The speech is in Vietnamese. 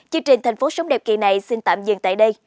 chương trình tp hcm xin tạm dừng tại đây